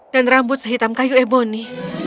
rambut sehitam kayu eboni